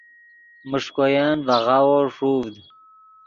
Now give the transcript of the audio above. میݰکوین ڤے غاوو ݰوڤد